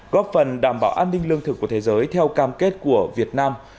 góp phần đảm bảo an ninh lương thực của thế giới theo cam kết của việt nam